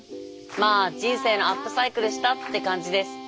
まあ人生のアップサイクルしたって感じです。